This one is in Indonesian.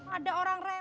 ada orang rep